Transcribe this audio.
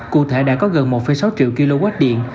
cụ thể đã có gần một sáu triệu kwh điện